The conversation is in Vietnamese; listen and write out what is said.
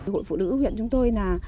hội phụ nữ huyện chúng tôi là